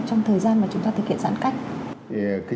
trong thời gian mà chúng ta thực hiện giãn cách